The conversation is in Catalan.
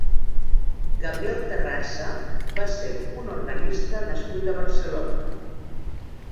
Gabriel Terrassa va ser un organista nascut a Barcelona.